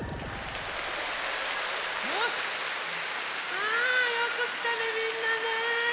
あよくきたねみんなね。